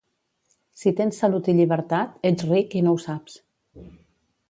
Si tens salut i llibertat, ets ric i no ho saps.